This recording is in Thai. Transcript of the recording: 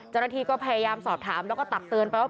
เจ้าหน้าที่ก็พยายามสอบถามแล้วก็ตักเตือนไปว่า